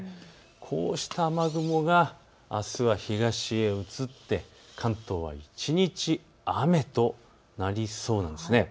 こうした雨雲があすは東へ移って関東は一日、雨となりそうなんです。